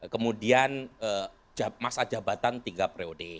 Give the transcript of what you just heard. kemudian masa jabatan tiga pre od